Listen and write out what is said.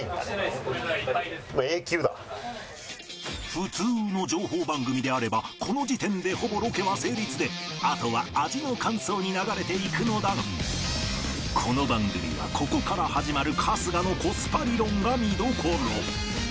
普通の情報番組であればこの時点でほぼロケは成立であとは味の感想に流れていくのだがこの番組はここから始まる春日のコスパ理論が見どころ。